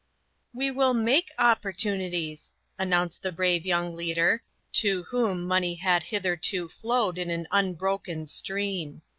"We will make opportunities," announced the brave young leader, to whom money had hitherto flowed in an unbroken stream.